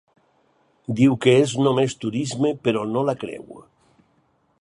Diu que és només turisme, però no la creu.